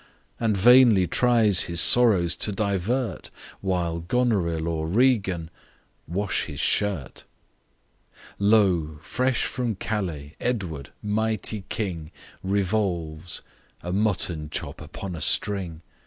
" And vainly tries his sorrows to divert, While Goneril or Regan wash his shirt! Lo! fresh from Calais, Edward, mighty king! Revolves a mutton chop upon a string!